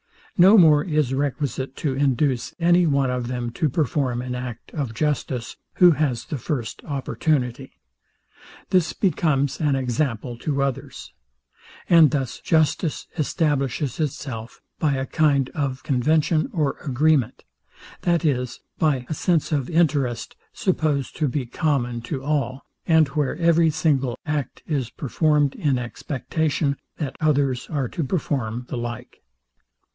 No more is requisite to induce any one of them to perform an act of justice, who has the first opportunity. This becomes an example to others. And thus justice establishes itself by a kind of convention or agreement; that is, by a sense of interest, supposed to be common to all, and where every single act is performed in expectation that others are to perform the like.